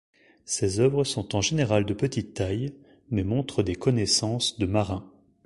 Ses œuvres sont en général de petite taille, mais montrent des connaissances de marin.